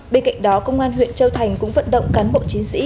bên cạnh đó công an huyện châu thành cũng vận động cán bộ chiến sĩ